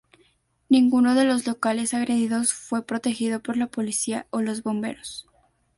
Ninguno de los locales agredidos fue protegido por la policía o los bomberos.